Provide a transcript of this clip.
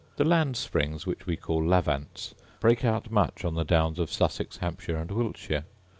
The land springs, which we call lavants, break out much on the downs of Sussex, Hampshire, and Wiltshire.